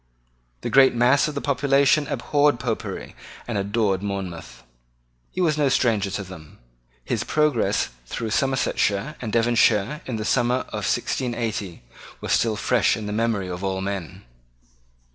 The great mass of the population abhorred Popery and adored Monmouth. He was no stranger to them. His progress through Somersetshire and Devonshire in the summer of 1680 was still fresh in the memory of all men.